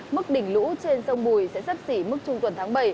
mức đỉnh lũ trên sông bùi sẽ sấp xỉ mức trung tuần tháng bảy